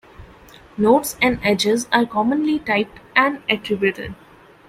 Nodes and edges are commonly typed and attributed.